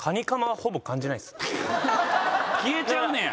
消えちゃうねや。